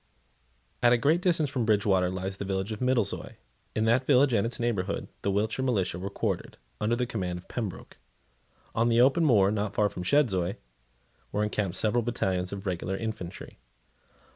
At a greater distance from Bridgewater lies the village of Middlezoy. In that village and its neighbourhood, the Wiltshire militia were quartered, under the command of Pembroke. On the open moor, not far from Chedzoy, were encamped several battalions of regular infantry.